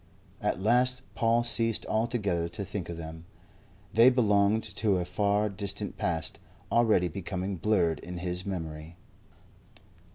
At last Paul ceased altogether to think of them. They belonged to a far distant past already becoming blurred in his memory.